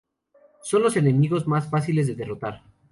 Son los enemigos más fáciles de derrotar.